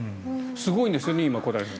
すごいんですよね、今小谷さん。